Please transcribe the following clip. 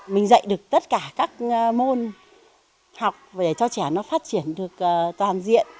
mình dạy được tất cả các môn học để cho trẻ nó phát triển được toàn diện